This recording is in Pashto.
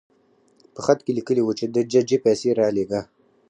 په خط کې لیکلي وو چې د ججې پیسې رالېږه.